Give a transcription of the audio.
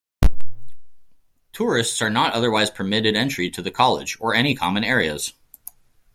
Tourists are not otherwise permitted entry to the college or any common areas.